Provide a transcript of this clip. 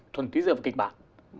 thường tí dựa vào kịch bản